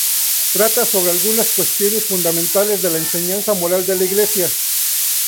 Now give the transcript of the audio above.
Trata sobre algunas cuestiones fundamentales de la Enseñanza Moral de la Iglesia.